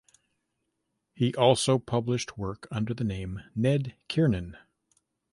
He also published work under the name Ned Kiernan.